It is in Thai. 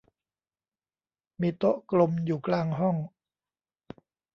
มีโต๊ะกลมอยู่กลางห้อง